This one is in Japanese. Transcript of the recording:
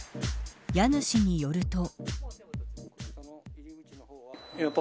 家主によると。